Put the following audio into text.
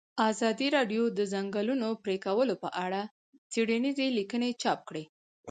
ازادي راډیو د د ځنګلونو پرېکول په اړه څېړنیزې لیکنې چاپ کړي.